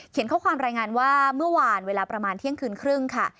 ข้อความรายงานว่าเมื่อวานเวลาประมาณเที่ยงคืนครึ่งค่ะ